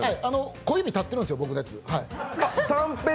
小指立ってるんです、僕のやつ。